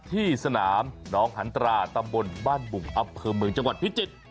ที่สนามน้องหันตราตำบลบ้านบุงอำเภอเมืองจังหวัดพิจิตร